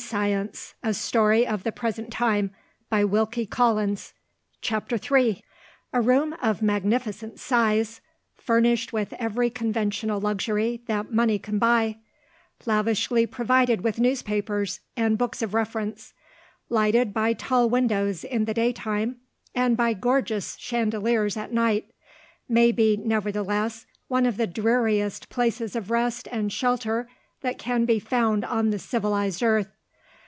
Still out of himself, Ovid followed them. CHAPTER III. A room of magnificent size; furnished with every conventional luxury that money can buy; lavishly provided with newspapers and books of reference; lighted by tall windows in the day time, and by gorgeous chandeliers at night, may be nevertheless one of the dreariest places of rest and shelter that can be found on the civilised earth.